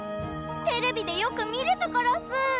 テレビでよく見るところっす！